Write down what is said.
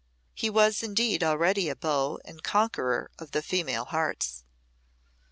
He was indeed already a beau and conqueror of female hearts.